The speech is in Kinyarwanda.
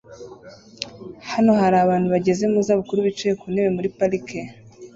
Hano hari abantu bageze mu zabukuru bicaye ku ntebe muri parike